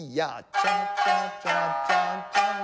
チャチャチャチャチャン。